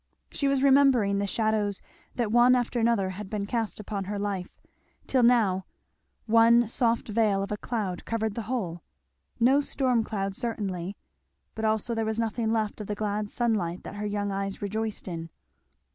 She was remembering the shadows that one after another had been cast upon her life, till now one soft veil of a cloud covered the whole; no storm cloud certainly, but also there was nothing left of the glad sunlight that her young eyes rejoiced in.